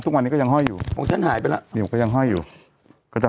ทุกวันนี้ก็ยังห้อยอยู่พวกฉันหายไปแล้วนิวก็ยังห้อยอยู่ก็จะ